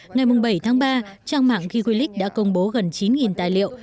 ngày bảy tháng ba trang mạng giulic đã công bố gần chín tài liệu